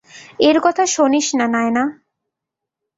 এর কথা শোনিস না, নায়না!